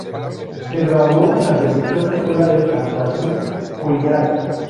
Se graduó en la prestigiosa escuela de actuación Juilliard.